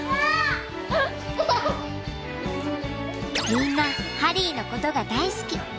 みんなハリーのことが大好き。